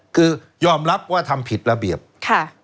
คือยอมรับว่าทำผิดระเบียบค่ะ